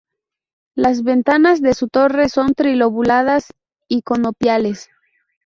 Las ventanas de su torre son trilobuladas y conopiales.